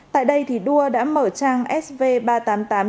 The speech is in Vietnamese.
tại đây đua đã mở trang sv ba trăm tám mươi tám